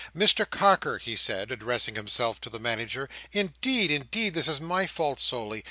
"Mr Carker," he said, addressing himself to the Manager. "Indeed, indeed, this is my fault solely.